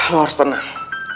lu harus tenang